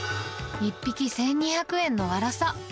１匹１２００円のワラサ。